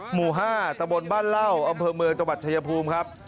หมู่๕ตะบนบ้านเหล้าอำเภอเมืองจังหวัดชายภูมิครับ